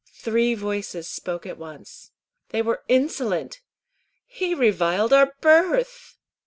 Three voices spoke at once. "They were insolent." "He reviled our birth."